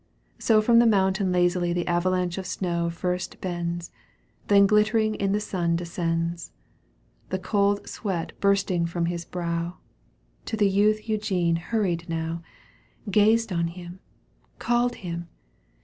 So from the mountain lazily The avalanche of snow first bends, Then glittering in the sun descends. The cold sweat bursting бют his brow, To the youth Eugene hurried now — Gazed on him, caHed him.